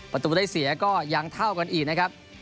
ประตูได้เสียก็ยังเท่ากันอีกนะครับ